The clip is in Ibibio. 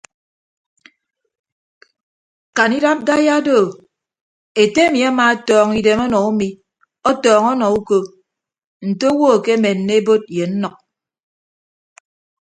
Kan idap do daiya ete emi amaatọọñ idem ọnọ umi ọtọọñ ọnọ uko nte owo akemenne ebot ye nnʌk.